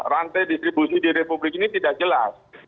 rantai distribusi di republik ini tidak jelas